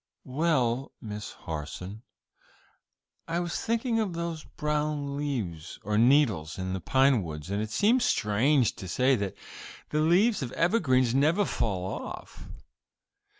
"Well, Miss Harson, I was thinking of those brown leaves, or 'needles,' in the pine woods, and it seems strange to say that the leaves of evergreens never fall off."